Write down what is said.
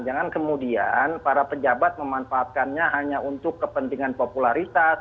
jangan kemudian para pejabat memanfaatkannya hanya untuk kepentingan popularitas